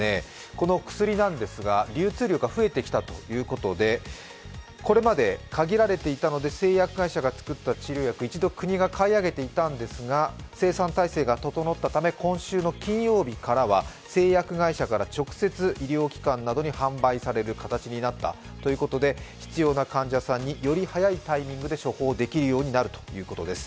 この薬なんですが、流通量が増えてきたということでこれまで限られていたので製薬会社が作った治療薬、厚生労働省が一時、国が買い上げていたんですが生産体制が整ったため今週の金曜日からは製薬会社から直接、医療機関などに販売される形になったということで必要な患者さんにより早いタイミングで処方できるようになるということです。